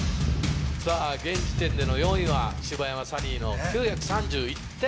現時点での４位は柴山サリーの９３１点。